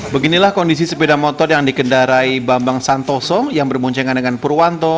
beginilah kondisi sepeda motor yang dikendarai bambang santoso yang bermuncengan dengan purwanto